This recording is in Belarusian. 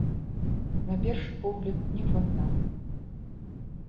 На першы погляд, не фантан.